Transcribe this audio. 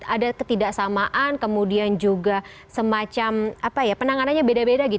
ada ketidaksamaan kemudian juga semacam penanganannya beda beda